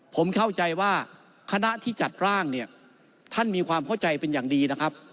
ผมเข้าใจว่าคณะที่จัดร่างเนี่ยท่านมีความเข้าใจเป็นอย่างดีนะครับ